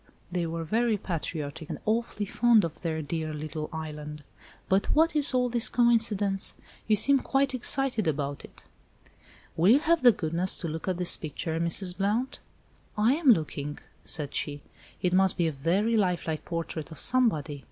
They were very patriotic, and awfully fond of their dear little island. But what is all this coincidence? You seem quite excited about it." "Will you have the goodness to look at this picture, Mrs. Blount?" "I am looking," said she. "It must be a very life like portrait of somebody.